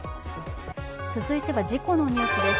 続いては事故のニュースです。